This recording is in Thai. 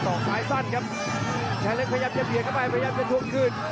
อกซ้ายสั้นครับชายเล็กพยายามจะเบียดเข้าไปพยายามจะทวงคืน